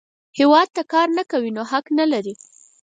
هیواد ته کار نه کوې، نو حق نه لرې